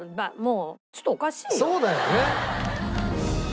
そうだよね。